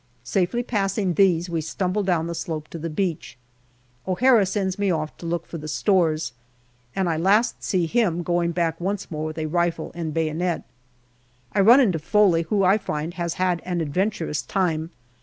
Safely passing these, we stumble down the slope to the beach. O'Hara sends me off to look for APRIL 43 the stores, and I last see him going back once more with a rifle and bayonet. I run into Foley, who I find has had an adventurous time.